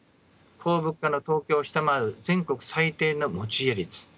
高物価の東京を下回る全国最低の持ち家率